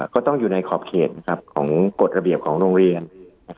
ก็ต้องอยู่ในขอบเขตของกฎระเบียบของโรงเรียน